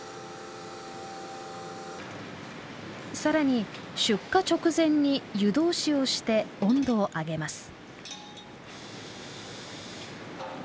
更に出荷直前に湯通しをして温度を上げます。